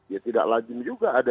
ya tidak lazim juga ada